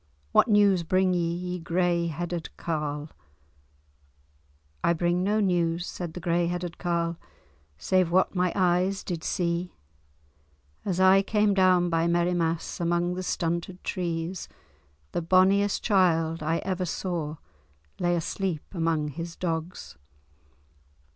"What news bring ye, ye grey headed carle?" "I bring no news," said the grey headed carle, "save what my eyes did see. As I came down by Merrimass among the stunted trees, the bonniest child I ever saw lay asleep among his dogs.